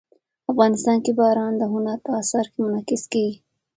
افغانستان کې باران د هنر په اثار کې منعکس کېږي.